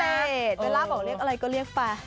คนพิเศษเวลาบอกเรียกอะไรก็เรียกไป